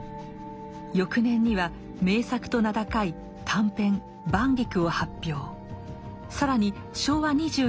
翌年には名作と名高い短編「晩菊」を発表。